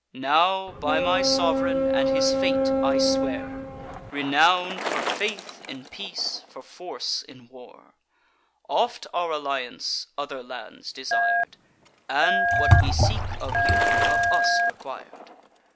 Now, by my sov'reign, and his fate, I swear, Renown'd for faith in peace, for force in war; Oft our alliance other lands desir'd, And, what we seek of you, of us requir'd.